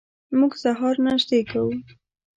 موږ سهار ناشتې کوو.